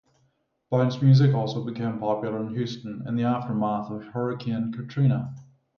Bounce music also became popular in Houston in the aftermath of Hurricane Katrina.